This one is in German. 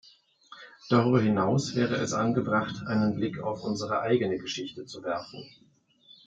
Darüber hinaus wäre es angebracht, einen Blick auf unsere eigene Geschichte zu werfen.